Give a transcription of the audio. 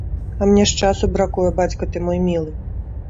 А мне ж часу бракуе, бацька ты мой мілы!